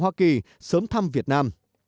hoa kỳ sớm thăm việt nam